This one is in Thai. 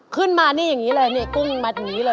ขึ้นมานี่อย่างนี้เลยนี่กุ้งมัดอย่างนี้เลย